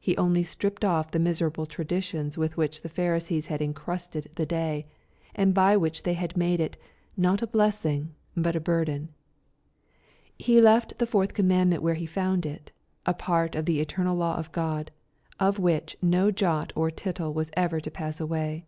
He only stripped off the miserable traditions with which the Pharisees had incrusted the day, and by which they had made it, not a blessing, but a burden. He left the fourth commandment where he found it, a part of the eternal law of God, of which no jot or tittle was ever to pass away.